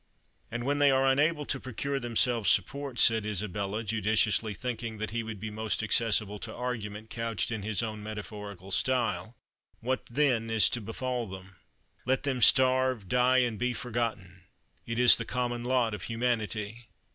"And when they are unable to procure themselves support," said Isabella, judiciously thinking that he would be most accessible to argument couched in his own metaphorical style, "what then is to befall them?" "Let them starve, die, and be forgotten; it is the common lot of humanity."